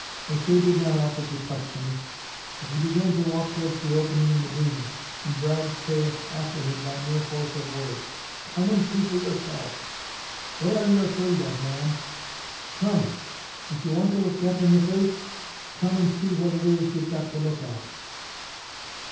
O'Shea did not offer to touch him, but he began to walk towards the opening in the dune, and dragged Caius after him by mere force of words. "Come and see for yourself. What are ye afraid of, man? Come! if ye want to look death in the face, come and see what it is ye've got to look at."